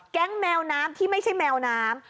แมวน้ำที่ไม่ใช่แมวน้ำ